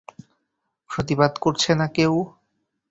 প্রতিবাদ করছে না কেউ।